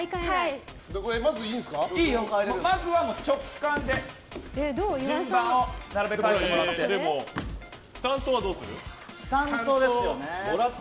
まずは直感で順番を並べ替えてもらって。